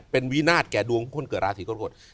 เป็นวินาศแก่ดวงคนเกิดราศีกรกฎ